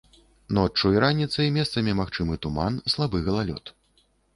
Ноччу і раніцай месцамі магчымы туман, слабы галалёд.